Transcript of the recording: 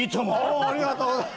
ありがとうございます。